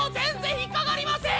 引っかかりません！